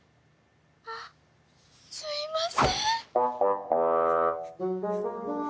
あっすいません！